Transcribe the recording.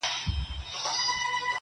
o خپل قبر هر چا ته تنگ معلومېږي٫